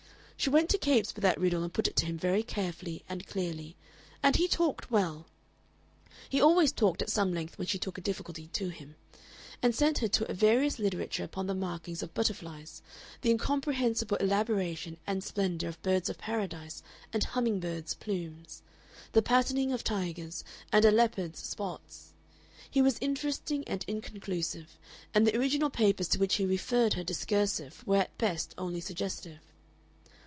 She went to Capes with that riddle and put it to him very carefully and clearly, and he talked well he always talked at some length when she took a difficulty to him and sent her to a various literature upon the markings of butterflies, the incomprehensible elaboration and splendor of birds of Paradise and humming birds' plumes, the patterning of tigers, and a leopard's spots. He was interesting and inconclusive, and the original papers to which he referred her discursive were at best only suggestive.